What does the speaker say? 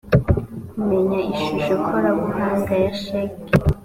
kumenya ishusho korabuhanga ya sheki